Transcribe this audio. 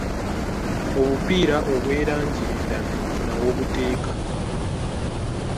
Obupiira obw'erangi endala funa w'obuteeka.